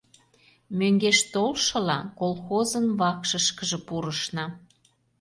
Мӧҥгеш толшыла, колхозын вакшышкыже пурышна.